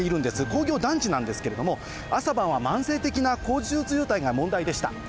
工業団地なんですけれども、朝晩は慢性的な交通渋滞が問題でした。